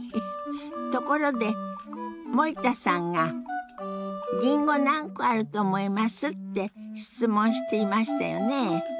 ところで森田さんが「りんご何個あると思います？」って質問していましたよね。